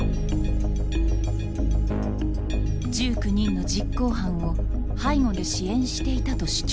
１９人の実行犯を背後で支援していたと主張。